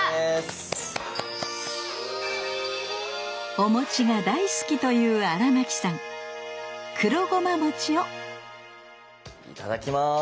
お餅が大好きという荒牧さん「黒ごま餅」をいただきます。